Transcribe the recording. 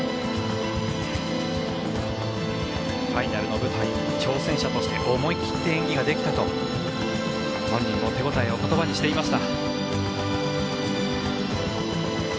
ファイナルの舞台挑戦者として思い切って演技ができたと本人も手応えを言葉にしていました。